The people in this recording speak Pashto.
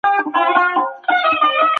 که ليکوال د خلګو لپاره وليکي تر ځان به ښه وي.